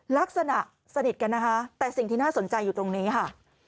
ลักษณะสนิทกันนะคะแต่สิ่งที่น่าสนใจอยู่ตรงนี้ค่ะ